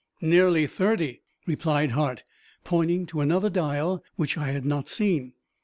"Nearly thirty," replied Hart, pointing to another dial which I had not seen.